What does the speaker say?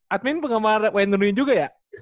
admin penggemar wayne rooney juga ya